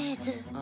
あ。